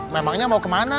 memangnya mau ke mandi